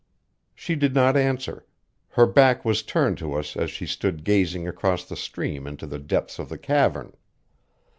She did not answer; her back was turned to us as she stood gazing across the stream into the depths of the cavern.